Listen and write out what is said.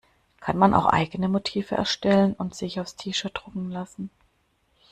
Kann man auch eigene Motive erstellen und sich aufs T-Shirt drucken lassen?